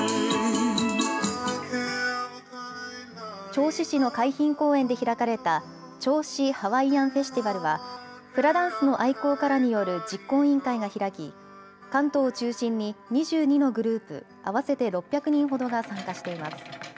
銚子市の海浜公園で開かれた銚子ハワイアンフェスティバルはフラダンスの愛好家らによる実行委員会が開き、関東を中心に２２のグループ合わせて６００人ほどが参加しています。